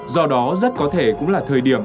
do đó rất có thể cũng là thời điểm